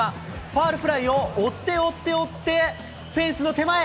ファールフライを追って追って追って、フェンスの手前。